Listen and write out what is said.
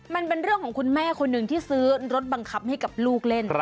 มันเป็นเรื่องของคุณแม่คนหนึ่งที่ซื้อรถบังคับให้กับลูกเล่น